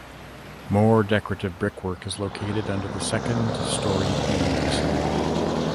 More decorative brickwork is located under the second story eaves.